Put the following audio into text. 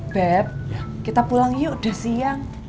bep kita pulang yuk udah siang